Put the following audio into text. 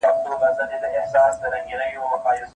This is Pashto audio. نه به ترنګ د آدم خان ته درخانۍ کي پلو لیري